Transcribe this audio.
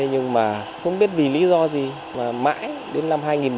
nhưng mà không biết vì lý do gì mãi đến năm hai nghìn một mươi bảy